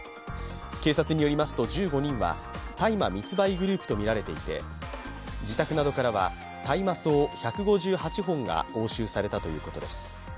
警察によりますと、１５人は大麻密売グループとみられていて、自宅などからは大麻草１５８本が押収されたということです。